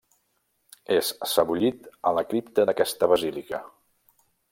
És sebollit a la cripta d'aquesta basílica.